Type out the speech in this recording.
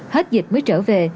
hết dịch mới trở về